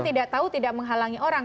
tidak tahu tidak menghalangi orang